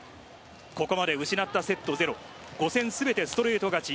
ここまで失ったセットゼロ５戦全てストレート勝ち。